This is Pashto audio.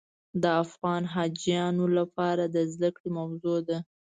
د افغان حاجیانو لپاره د زده کړې موضوع ده.